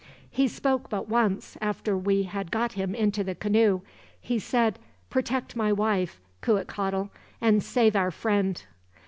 "He spoke but once, after we had got him into the canoe. He said 'Protect my wife, Cuitcatl; and save our friend.'"